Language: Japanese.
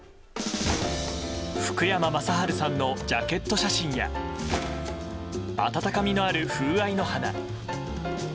福山雅治さんのジャケット写真や温かみのある風合いの花。